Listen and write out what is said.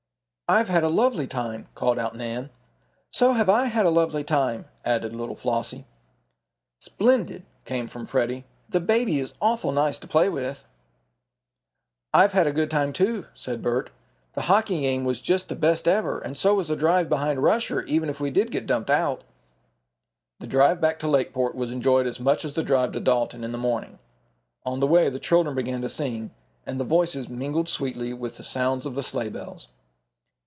"I've had a lovely time!" called out Nan. "So have I had a lovely time," added little Flossie. "Splendid," came from Freddie. "The baby is awful nice to play with." "I've had a good time, too," said Bert. "The hockey game was just the best ever, and so was the drive behind Rusher, even if we did get dumped out." The drive back to Lakeport was enjoyed as much as the drive to Dalton in the morning. On the way the children began to sing, and the voices mingled sweetly with the sounds of the sleigh bells.